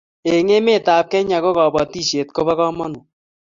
Eng' emet ab Kenya ko batishet kobo kamanut